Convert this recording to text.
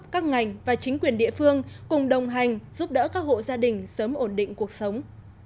các ngành và chính quyền địa phương cùng đồng hành giúp đỡ các hộ gia đình sớm ổn định cuộc sống